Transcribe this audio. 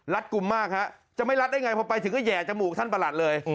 กลุ่มมากฮะจะไม่รัดได้ไงพอไปถึงก็แห่จมูกท่านประหลัดเลย